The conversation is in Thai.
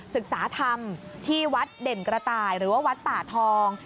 ศึกษาธรรมที่วัดเด่นกระต่ายหรือว่าวัดป่าทอง